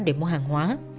để mua hàng hóa